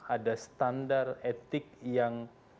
ada standar etik yang